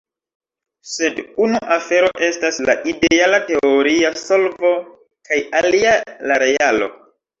Sed unu afero estas la ideala teoria solvo kaj alia la realo.